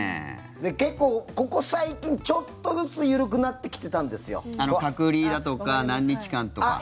結構、ここ最近ちょっとずつ緩くなってきてたんですよ。隔離だとか何日間とか。